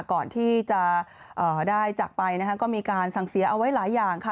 ก่อนที่จะได้จากไปนะคะก็มีการสั่งเสียเอาไว้หลายอย่างค่ะ